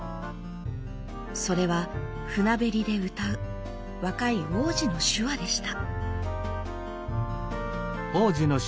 それは船べりで歌う若い王子の手話でした。